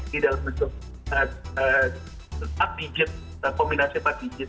jadi dalam bentuk empat digit kombinasi empat digit